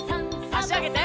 あしあげて。